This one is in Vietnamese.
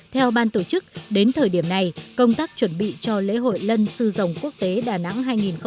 theo ban tổ chức đến thời điểm này công tác chuẩn bị cho lễ hội lân sư dòng quốc tế đà nẵng hai nghìn một mươi chín